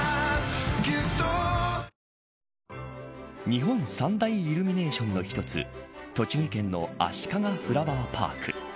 日本三大イルミネーションの１つ栃木県のあしかがフラワーパーク。